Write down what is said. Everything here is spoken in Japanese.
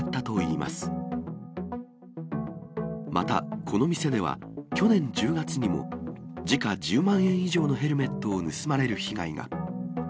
また、この店では、去年１０月にも、時価１０万円以上のヘルメットを盗まれる被害が。